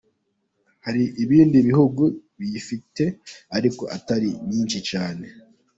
Hari ibindi bihugu biyifite ariko atari nyinshi cyane.